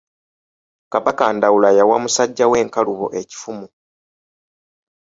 Kabaka Ndawula yawa musajja we Nkalubo ekifumu.